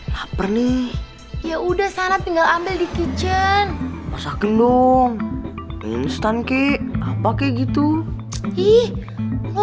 laper nih ya udah sana tinggal ambil di kitchen masakin dong instan kek apa kayak gitu ih lu